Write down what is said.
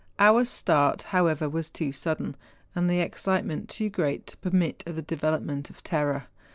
Our start, however, was too sudden, and the excitement too great, to permit of the development of terror.